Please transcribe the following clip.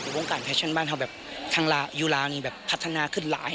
วงการแฟชั่นบ้านทำแบบทางยูลานี่แบบพัฒนาขึ้นหลาย